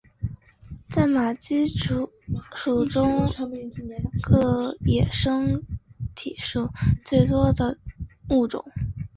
在马鸡属中个野生个体数最多的物种。